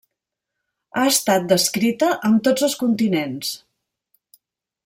Ha estat descrita en tots els continents.